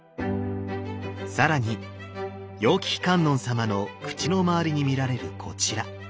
更に楊貴妃観音様の口の周りに見られるこちら。